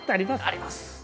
あります。